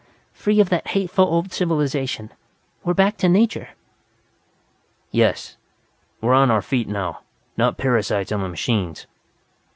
Free of that hateful old civilization! We're back to Nature!" "Yes, we're on our feet now, not parasites on the machines."